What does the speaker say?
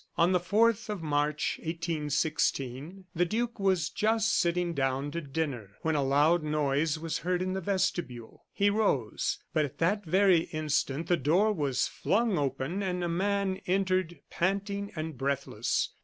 On the 4th of March, 1816, the duke was just sitting down to dinner when a loud noise was heard in the vestibule. He rose but at that very instant the door was flung open and a man entered, panting and breathless.